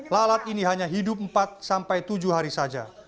lalat ini hanya hidup empat sampai tujuh hari saja